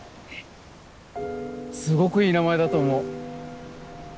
すごくいい名前だと思う